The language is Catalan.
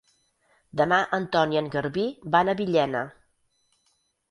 Demà en Ton i en Garbí van a Villena.